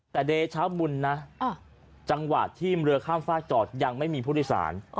แต่เดชาบุญนะจังหวะที่เรือข้ามฝากจอดยังไม่มีผู้โดยสาร